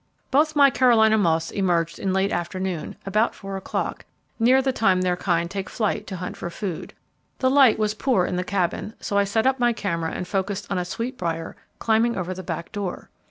Both my Carolina moths emerged in late afternoon, about four o'clock, near the time their kind take flight to hunt for food. The light was poor in the Cabin, so I set up my camera and focused on a sweetbrier climbing over the back door.